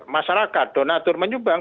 masyarakat donator menyumbang